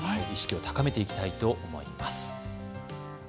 意識を高めていきたいと思います。